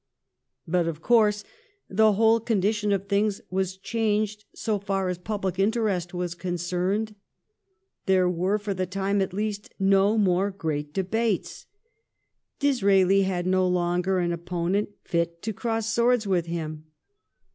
But of course the whole condition of things was changed so far as public interest was con cerned. There were, for the time at least, no more great debates. Disraeli had no longer an opponent fit to cross swords with him.